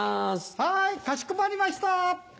はいかしこまりました。